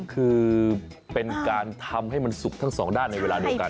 คือเป็นการทำให้มันสุกทั้งสองด้านในเวลาเดียวกัน